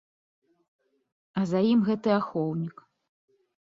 А за ім гэты ахоўнік.